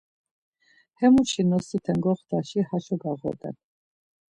Hemuşi ğnosite goxtaşi haşo gağoden.